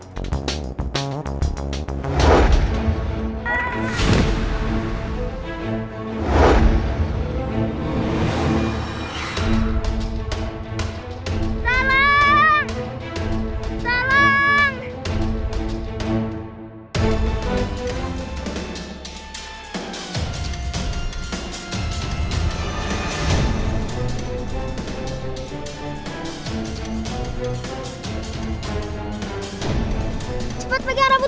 cepat bagian rambutku